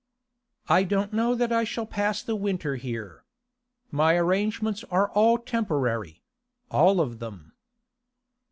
'I don't know that I shall pass the winter here. My arrangements are all temporary—all of them.